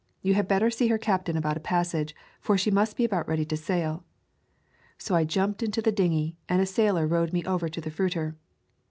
You had better see her captain about a passage, for she must be about ready to sail." So I jumped into the dinghy and a sailor rowed me over tothe fruiter.